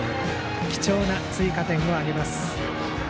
貴重な追加点を挙げます。